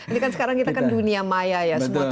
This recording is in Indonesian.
ini kan sekarang kita kan dunia maya ya semuanya